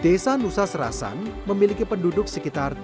desa nusa serasan memiliki penduduk sekitar tiga ribu jiwa